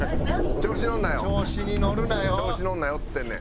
調子乗るなよっつってんねん。